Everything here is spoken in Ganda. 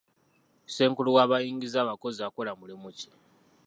Ssenkulu w'abayingiza abakozi akola mulimu ki?